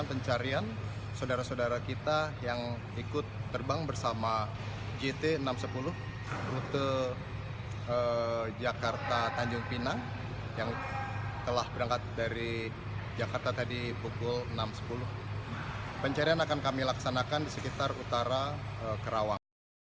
pencarian akan kami laksanakan di sekitar utara karawang